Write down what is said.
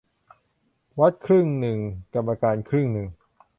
วัดครึ่งหนึ่งกรรมการครึ่งหนึ่ง